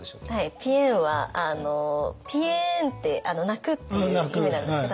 「ぴえん」はぴえんって泣くっていう意味なんですけど。